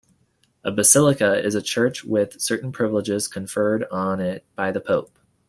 A basilica is a church with certain privileges conferred on it by the Pope.